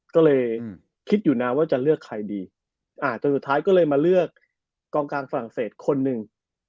ก็เลยคิดอยู่นะว่าจะเลือกใครดีแต่สุดท้ายก็เลยมาเลือกกองกลางฝรั่งเศสคนหนึ่ง